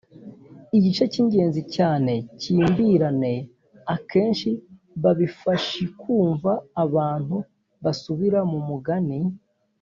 igice cy ingenzi cyane kimbirane akenshi babifashikumva abantu basubira mu mugani